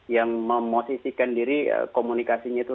yang memosisikan diri komunikasinya itu